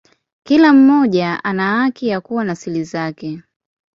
Kila mmoja ana haki ya kuwa na siri zake.